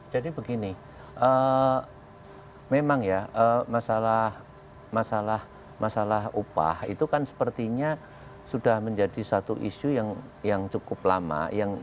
jadi begini memang ya masalah upah itu kan sepertinya sudah menjadi satu isu yang cukup lama